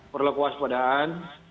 perlu kuas padaan